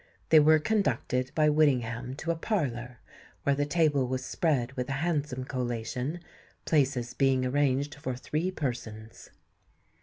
They were conducted by Whittingham to a parlour, where the table was spread with a handsome collation, places being arranged for three persons.